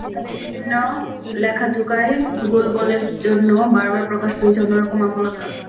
তাঁদের বিভিন্ন লেখাজোকায় গোল বলের জন্য বারবার প্রকাশ পেয়েছে অন্য রকম আকুলতা।